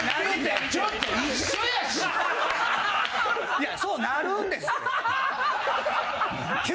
いやそうなるんですって。